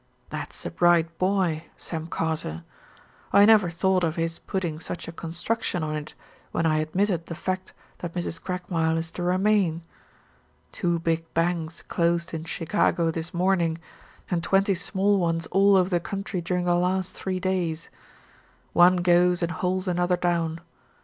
That's a bright boy Sam Carter. I never thought of his putting such a construction on it when I admitted the fact that Mrs. Craigmile is to remain. Two big banks closed in Chicago this morning, and twenty small ones all over the country during the last three days. One goes and hauls another down.